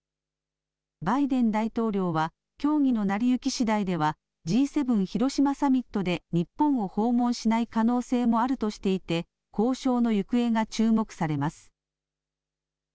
バイデン大統領は協議の成り行きしだいではＧ７広島サミットで日本を訪問しない可能性もあるとしていて交渉の行方が注目されます。